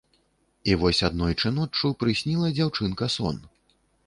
І вось аднойчы ноччу прысніла дзяўчынка сон.